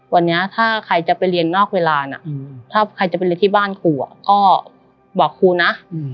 วันนี้ถ้าใครจะไปเรียนนอกเวลานะถ้าใครจะไปเรียนที่บ้านครูก็บอกครูนะ